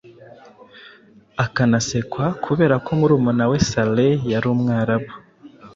akanasekwa kubera ko murumuna we Saleh yari Umwarabu.